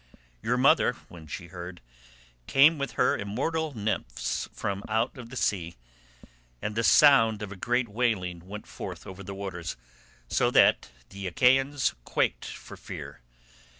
Your mother, when she heard, came with her immortal nymphs from out of the sea, and the sound of a great wailing went forth over the waters so that the Achaeans quaked for fear.